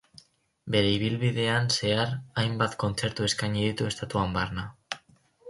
Bere ibilbidean zehar hainbat kontzertu eskaini ditu estatuan barna.